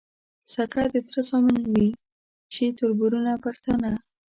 سکه د تره زامن وي شي تــربـــرونـه پښتانه